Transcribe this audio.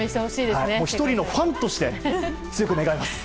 １人のファンとして強く願います。